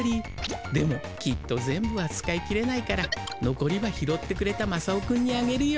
でもきっと全部は使い切れないからのこりは拾ってくれたまさお君にあげるよ。